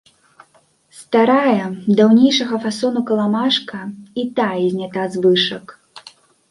Старая, даўнейшага фасону, каламажка і тая знята з вышак.